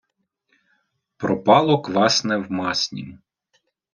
Пропало квасне в маснім.